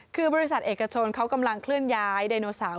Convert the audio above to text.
คือบริษัทเอกชนเขากำลังเคลื่อนย้ายไดโนเสาร์